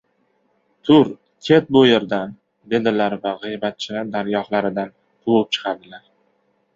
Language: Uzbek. Tur, ket bu yerdan! – dedilar va g‘iybatchini dargohlaridan quvib chiqardilar.